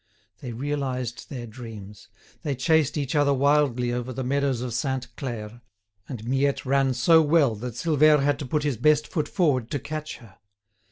They realized their dreams: they chased each other wildly over the meadows of Sainte Claire, and Miette ran so well that Silvère had to put his best foot forward to catch her.